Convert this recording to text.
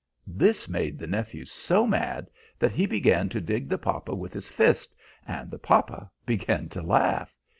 This made the nephew so mad that he began to dig the papa with his fist, and the papa began to laugh.